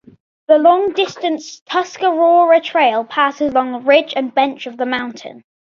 The long distance Tuscarora Trail passes along ridge and bench of the mountain.